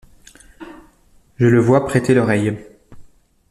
Je le vois prêter l’oreille.